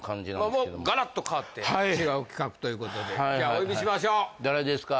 もうガラッと変わって違う企画ということでじゃあお呼びしましょう誰ですか？